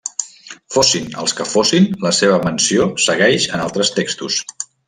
Fossin els que fossin la seva menció segueix en altres textos.